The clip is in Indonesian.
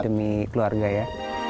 demi keluarga ya